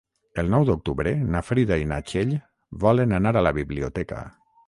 El nou d'octubre na Frida i na Txell volen anar a la biblioteca.